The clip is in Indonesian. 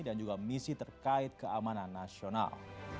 dan juga misi terkait keamanan nasional